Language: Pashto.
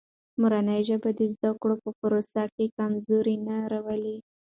مورنۍ ژبه د زده کړو په پروسه کې کمزوري نه راولي.